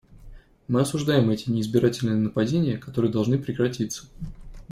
Мы осуждаем эти неизбирательные нападения, которые должны прекратиться.